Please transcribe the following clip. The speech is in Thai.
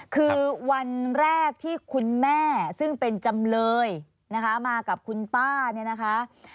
คือวันแรกที่คุณแม่ซึ่งเป็นจำเลยนะคะมากับคุณป้าเนี่ยนะคะ